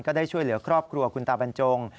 ได้ช่วยเหลือครอบครัวคุณตาบรรจง